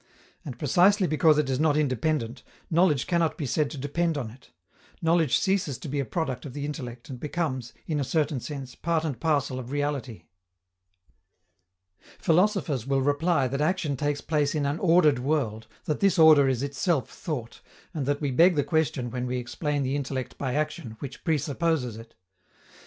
And, precisely because it is not independent, knowledge cannot be said to depend on it: knowledge ceases to be a product of the intellect and becomes, in a certain sense, part and parcel of reality. Philosophers will reply that action takes place in an ordered world, that this order is itself thought, and that we beg the question when we explain the intellect by action, which presupposes it.